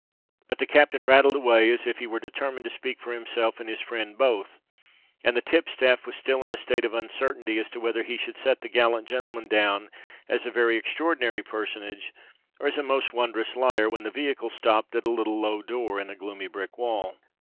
But the captain rattled away as if he were determined to speak for himself and his friend both; and the tipstaff was still in a state of uncertainty as to whether he should set the gallant gentleman down as a very extraordinary personage, or as a most wondrous liar, when the vehicle stopped at a little low door in a gloomy brick wall.